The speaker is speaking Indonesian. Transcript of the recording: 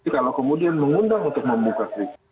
kalau kemudian mengundang untuk membuka kritik